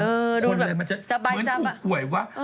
คนอะไรมันจะเหมือนถูกหวยวะ